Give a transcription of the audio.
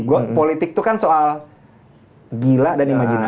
gue politik itu kan soal gila dan imajinasi